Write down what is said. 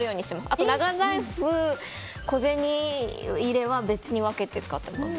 あと、長財布、小銭入れは別に分けて使ってます。